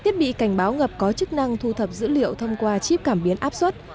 thiết bị cảnh báo ngập có chức năng thu thập dữ liệu thông qua chip cảm biến áp suất